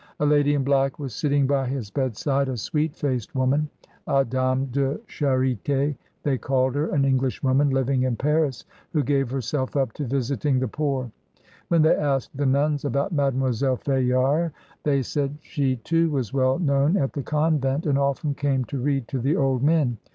A lady in black was sitting by his bedside, a sweet faced woman. A dame de chariU they called her, an Englishwoman, living in Paris, who gave herself up to visiting the poor. When they asked the nuns about Mademoiselle Fayard, they said she too was well known at the convent, and often came to read to the old men.